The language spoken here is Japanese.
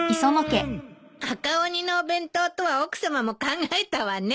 赤鬼のお弁当とは奥さまも考えたわね。